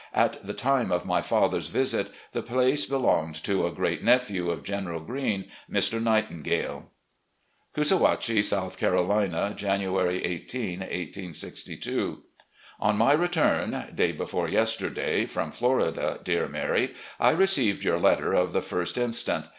At the time of my father's visit the place belonged to a great nephewj of General Green, Mr. Nightingale. " CoosAWHATCHiE, South Carolina, "January 18, 1862. "On my return, day before yesterday, from Florida, dear Mary, I received your letter of the i st inst.